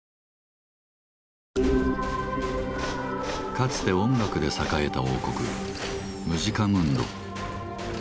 かつて音楽で栄えた王国「ムジカムンド」。